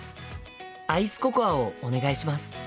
アイスココアをお願いします。